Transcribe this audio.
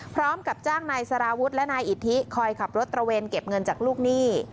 พร้อมกับจ้างนายสารวุฒิและนายอิทธิคอยขับรถตระเวนเก็บเงินจากลูกหนี้